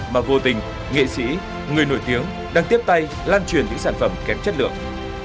mà vô tình nghệ sĩ người nổi tiếng đang tiếp tay lan truyền những sản phẩm kém chất lượng